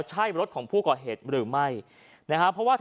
ในรถคันนึงเขาพุกอยู่ประมาณกี่โมงครับ๔๕นัท